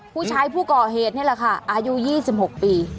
ผู้ก่อเหตุนี่แหละค่ะอายุ๒๖ปี